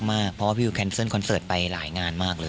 เพราะว่าพี่วิวแคนเซิลคอนเสิร์ตไปหลายงานมากเลย